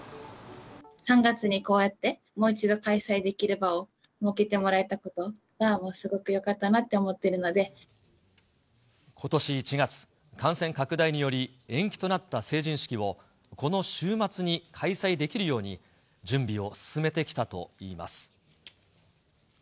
３月にこうやってもう一度開催できる場を設けてもらえたことがすごくよかったなって思ってることし１月、感染拡大により延期となった成人式をこの週末に開催できるように準備を進めてきたといいます。